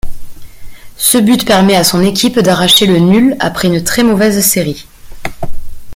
Ce but permet à son équipe d'arracher le nul après une très mauvaise série.